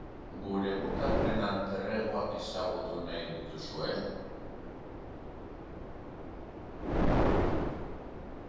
Gure gutarren alter-egoak ezagutu nahi dituzue?